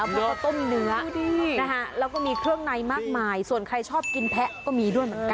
คือเปิ้ลเค้าต้มเนื้อนะคะแล้วก็มีเครื่องไหนมากมายส่วนใครชอบกินแพะก็มีด้วยเหมือนกัน